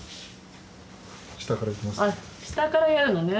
下からいきますね。